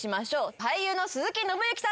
俳優の鈴木伸之さんです